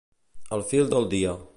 Al fil del dia.